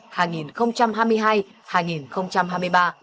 báo cáo nhân quyền tại việt nam hai nghìn hai mươi hai hai nghìn hai mươi ba